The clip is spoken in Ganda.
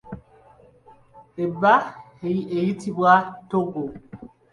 Eba eyitibwa ttoggo.